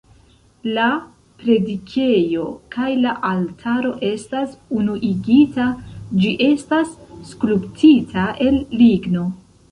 La predikejo kaj la altaro estas unuigita, ĝi estas skulptita el ligno.